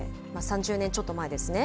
３０年ちょっと前ですね。